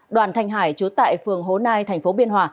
đoàn thanh hải chú tại phường hố nai thành phố biên hòa